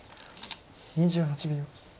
２８秒。